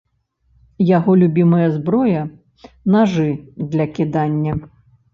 Яго любімая зброя нажы для кідання.